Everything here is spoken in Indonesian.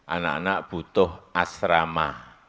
anak anak butuh asrama